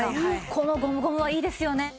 このゴムゴムはいいですよね。